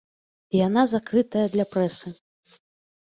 Яна закрытая для прэсы.